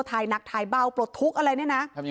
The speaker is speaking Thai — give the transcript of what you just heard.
ถ่ายหนักถ่ายเบาปลดทุกข์อะไรเนี่ยนะ